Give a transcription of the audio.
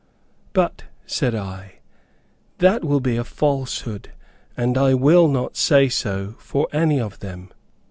"But," said I, "that will be a falsehood, and I will not say so for any of them."